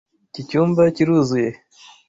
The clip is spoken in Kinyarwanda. Iki cyumba kiruzuye.